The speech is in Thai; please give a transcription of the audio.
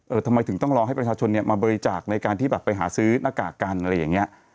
ทำไมถึงต้องรอให้ประชาชนเนี่ยมาบริจาคในการที่แบบไปหาซื้อหน้ากากกันอะไรอย่างเงี้ย